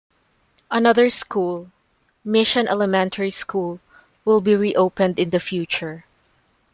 Another school, Mission Elementary School, will be reopened in the future.